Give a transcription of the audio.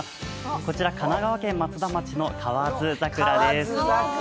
こちら神奈川県松田町の河津桜です。